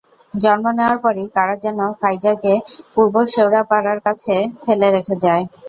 জন্ম নেওয়ার পরই কারা যেন ফাইজাকে পূর্ব শেওড়াপাড়ায় কাছে ফেলে রেখে যায়।